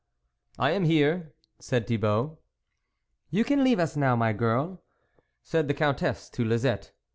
" I am here !" said Thibault. "You can leave us now, my girl," said the Countess to Lisette.